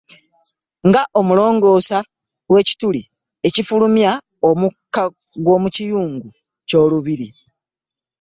Nga omulongosa wekituli ekifulumya omuka gw'omukiyungu ky'olubiri.